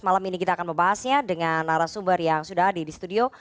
malam ini kita akan membahasnya dengan arah sumber yang sudah ada di studio